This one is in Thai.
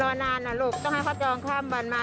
รอนานอ่ะลูกต้องให้เขาจองข้างบนมา